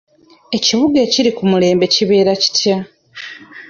Ekibuga ekiri ku mulembe kibeera kitya?